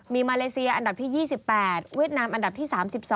มีมาเลเซียอันดับที่๒๘เวียดนามอันดับที่๓๒